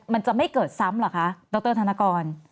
มันจะไม่เกิดซ้ำเหรอคะดรธนกร